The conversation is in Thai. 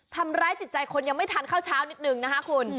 ทำร้ายจิตใจคนยังไม่ทานข้าวเช้านิดนึงนะคะคุณ